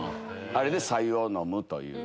あれでさゆを飲むという。